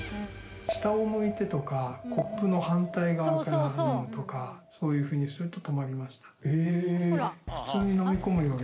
下を向いてとかコップの反対側から飲むとかそういうふうにすると。